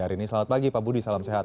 hari ini selamat pagi pak budi salam sehat